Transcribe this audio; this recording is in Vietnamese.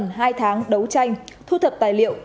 sau hai tháng đấu tranh thu thập tài liệu